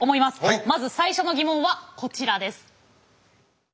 まず最初のギモンはこちらです。